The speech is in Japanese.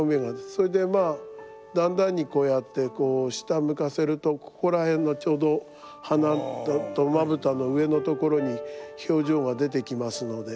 それでまあだんだんにこうやっててこう下向かせるとここら辺のちょうど鼻とまぶたの上のところに表情が出てきますので。